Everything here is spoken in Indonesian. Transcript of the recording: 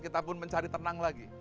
kita pun mencari tenang lagi